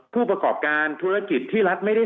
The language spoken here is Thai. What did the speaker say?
ทางประกันสังคมก็จะสามารถเข้าไปช่วยจ่ายเงินสมทบให้๖๒